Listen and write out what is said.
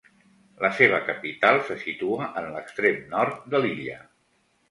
La seva capital se situa en l'extrem nord de l'illa.